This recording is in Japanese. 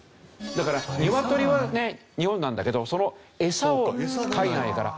だから鶏はね日本なんだけどそのエサを海外から。